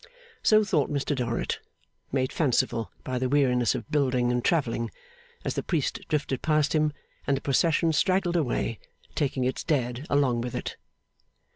So thought Mr Dorrit, made fanciful by the weariness of building and travelling, as the priest drifted past him, and the procession straggled away, taking its dead along with it.